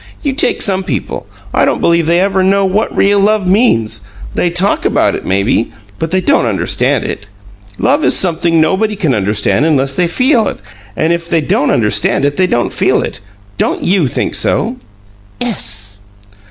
You take some people, I don't believe they ever know what real love means. They TALK about it, maybe, but they don't understand it. Love is something nobody can understand unless they feel it and and if they don't understand it they don't feel it. Don't YOU think so?" "Ess."